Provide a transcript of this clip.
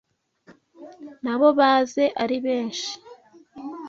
Nabo baze ari benshi